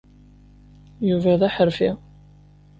Yuba d aḥerfi.